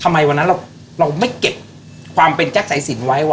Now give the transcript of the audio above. ทำไมวันนั้นเราไม่เก็บความเป็นแจกใสสินไว้ว่ะ